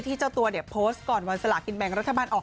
เจ้าตัวเนี่ยโพสต์ก่อนวันสลากินแบ่งรัฐบาลออก